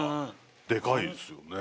でかいですよね。